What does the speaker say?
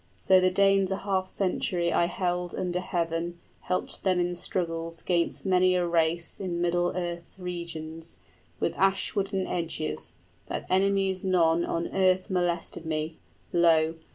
So the Danes a half century I held under heaven, helped them in struggles 'Gainst many a race in middle earth's regions, With ash wood and edges, that enemies none On earth molested me. Lo!